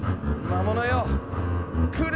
魔物よ